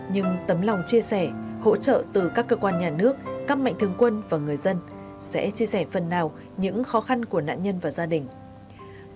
nhưng tấm lòng chia sẻ hỗ trợ từ các cơ quan nhà nước các mệnh thương quân và người dân sẽ chia sẻ phần nào những khó khăn của nạn nhân và gia đình